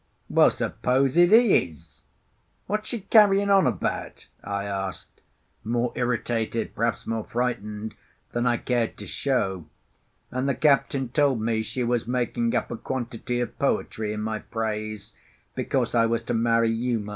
"Well, suppose it is; what's she carrying on about?" I asked, more irritated, perhaps more frightened, than I cared to show; and the captain told me she was making up a quantity of poetry in my praise because I was to marry Uma.